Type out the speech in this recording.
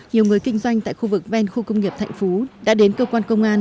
nhiều người kinh doanh tại khu vực ven khu công nghiệp thạnh phú đã đến cơ quan công an